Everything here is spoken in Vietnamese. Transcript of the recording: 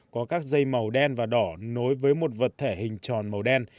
có các dây màu đen và đỏ nối với một vật thể hình tròn màu đen